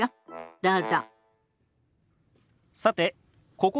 どうぞ。